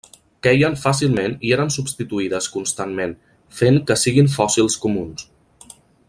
Queien fàcilment i eren substituïdes constantment, fent que siguin fòssils comuns.